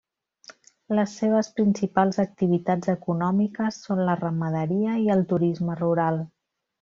Les seves principals activitats econòmiques són la ramaderia i el turisme rural.